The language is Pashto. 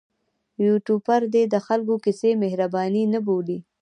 یوټوبر دې د خلکو کیسې مهرباني نه بولي.